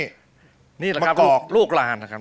มะกอกนี่แหละครับลูกลานนะครับ